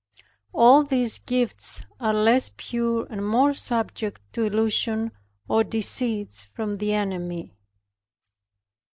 All these gifts are less pure, and more subject to illusion or deceits from the enemy.